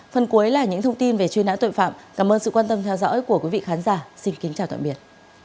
phần cuối là những thông tin về truy nã tội phạm cảm ơn sự quan tâm theo dõi của quý vị khán giả xin kính chào tạm biệt